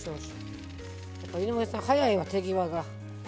井上さんはやいわ手際が。